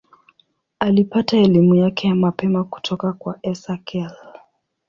Alipata elimu yake ya mapema kutoka kwa Esakhel.